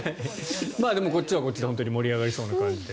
でも、こっちはこっちで盛り上がりそうな感じで。